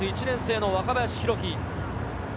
１年生・若林宏樹。